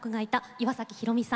岩崎宏美さん